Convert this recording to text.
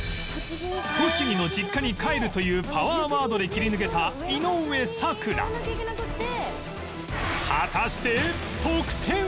「栃木の実家に帰る」というパワーワードで切り抜けた井上咲楽８０点。